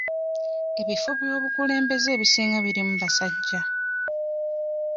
Ebifo by'obukulembeze ebisinga birimu basajja.